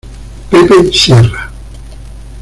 Pepe Sierra.